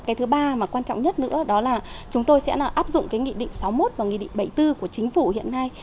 cái thứ ba mà quan trọng nhất nữa đó là chúng tôi sẽ áp dụng cái nghị định sáu mươi một và nghị định bảy mươi bốn của chính phủ hiện nay